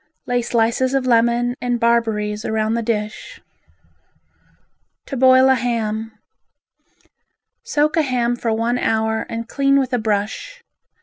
Lay slices of lemon and barberries round the dish. To Boil a Ham Soak a ham for one hour and clean with a brush.